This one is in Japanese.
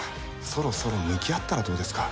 そろそろ向き合ったらどうですか？